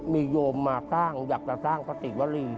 มีโยมมาสร้างอยากจะสร้างปฏิวรี